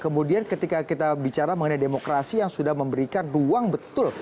kemudian ketika kita bicara mengenai demokrasi yang sudah memberikan ruang betul